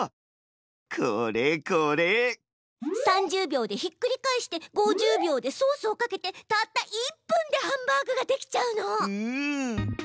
３０秒でひっくり返して５０秒でソースをかけてたった１分でハンバーグができちゃうの。